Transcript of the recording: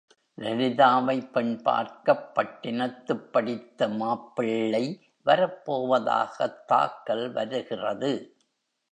லலிதாவைப் பெண் பார்க்க ப் பட்டினத்துப்படித்த மாப்பிள்ளை வரப்போவதாகத் தாக்கல் வருகிறது.